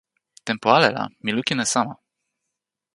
tenpo ale la mi lukin e sama.